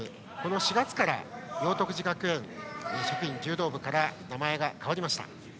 ４月から了徳寺学園柔道部から変わりました。